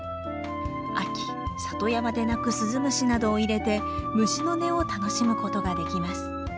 秋里山で鳴くスズムシなどを入れて虫の音を楽しむことができます。